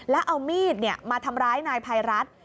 แล้วเอามีดมาทำร้ายนายภัยรัฐ